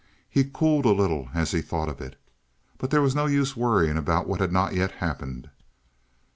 He cooled a little as he thought of it, but there was no use worrying about what had not yet happened.